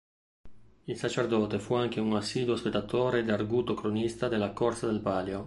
Il sacerdote fu anche un assiduo spettatore ed arguto cronista della corsa del Palio.